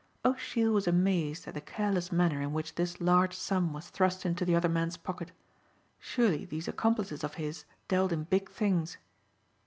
O'Sheill was amazed at the careless manner in which this large sum was thrust into the other man's pocket. Surely these accomplices of his dealt in big things.